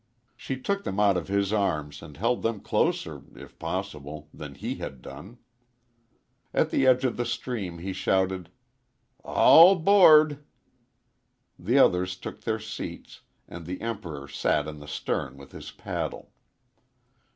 She took them out of his arms and held them closer, if possible, than he had done. At the edge of the stream he shouted, "All 'board!" The others took their seats, and the Emperor sat in the stern with his paddle.